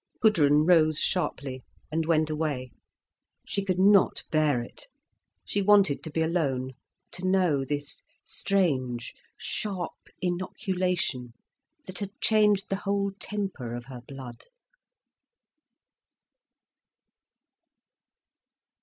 Gudrun rose sharply and went away. She could not bear it. She wanted to be alone, to know this strange, sharp inoculation that had changed the whole temper of her blood.